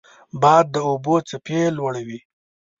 باد د اوبو څپې لوړوي